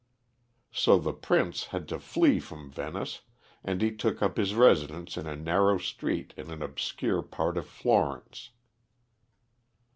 So the Prince had to flee from Venice, and he took up his residence in a narrow street in an obscure part of Florence.